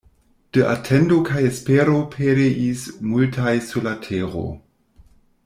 De atendo kaj espero pereis multaj sur la tero.